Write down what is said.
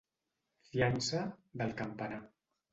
Fiança... del campanar.